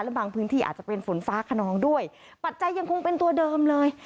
และบางพื้นที่อาจจะเป็นฝนฟ้าขนองด้วยปัจจัยยังคงเป็นตัวเดิมเลย